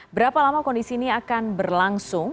berapa lama kondisi ini akan berlangsung